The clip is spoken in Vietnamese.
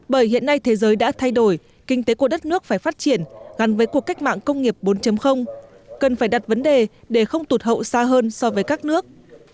bởi hiện nay thế giới đã thay đổi kinh tế của đất nước phải phát triển gắn với cuộc cách mạng công nghiệp bốn cần phải đặt vấn đề để không tụt hậu xa hơn so với các nước